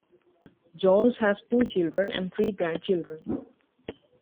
Jones has two children and three grandchildren.